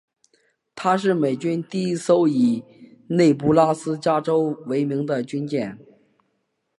她是美军第一艘以内布拉斯加州为名的军舰。